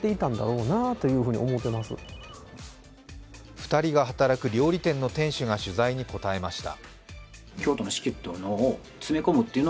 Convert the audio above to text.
２人が働く料理店の店主が取材に答えました。